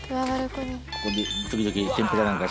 ここで時々天ぷらなんか。